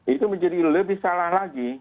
itu menjadi lebih salah lagi